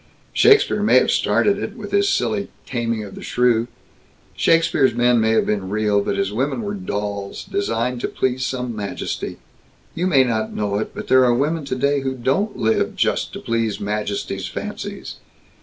Shakespeare may have started it, with his silly Taming of the Shrew. Shakespeare's men may have been real, but his women were dolls, designed to please some majesty. You may not know it, but there are women today who don't live just to please majesties' fancies.